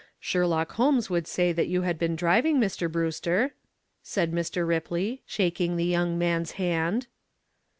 "Sherlock Holmes would say that you had been driving, Mr. Brewster," said Mr. Ripley, shaking the young man's hand.